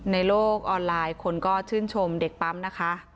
ในโลกออนไลน์คนก็ชื่นชมเด็กปั๊มนะคะ